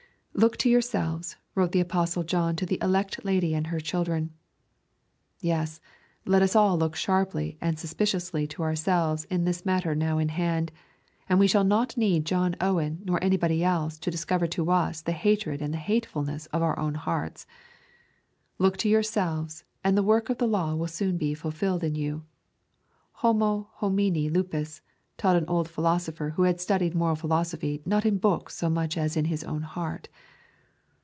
'Look to yourselves,' wrote the apostle John to the elect lady and her children. Yes; let us all look sharply and suspiciously to ourselves in this matter now in hand, and we shall not need John Owen nor anybody else to discover to us the hatred and the hatefulness of our own hearts. Look to yourselves, and the work of the law will soon be fulfilled in you. Homo homini lupus, taught an old philosopher who had studied moral philosophy not in books so much as in his own heart.